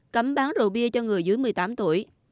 cấm bán rượu bia cho người dưới một mươi tám tuổi